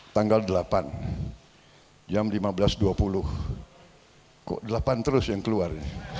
tanggal delapan jam lima belas dua puluh kok delapan terus yang keluar